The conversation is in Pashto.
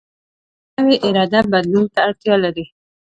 نوې اراده بدلون ته اړتیا لري